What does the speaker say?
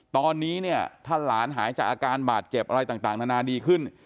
ตอนนี้เนี่ยถ้าหลานหายจากอาการบาดเจ็บอะไรต่างนานาดีขึ้น